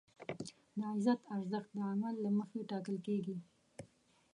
د عزت ارزښت د عمل له مخې ټاکل کېږي.